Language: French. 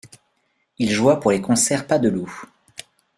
Il joua pour les concerts Pasdeloup.